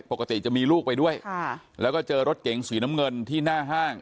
ปกติจะมีลูกไปด้วยค่ะแล้วก็เจอรถเก๋งสีน้ำเงินที่หน้าห้าง